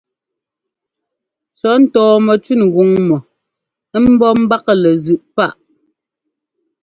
Cɔ̌ ntɔɔmɛtẅín gʉŋ mɔ ḿbɔ́ ḿbaklɛ zʉꞌ páꞌ.